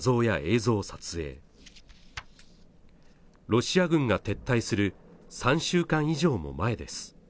ロシア軍が撤退する３週間以上も前です